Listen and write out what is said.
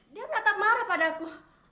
dia menatap marah padaku